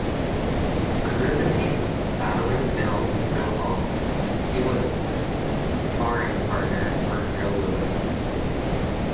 Under the name "Battling Bill Stovall", he was a sparring partner of Joe Louis.